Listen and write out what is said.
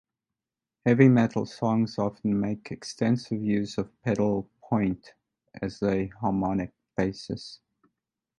Heavy metal songs often make extensive use of pedal point as a harmonic basis.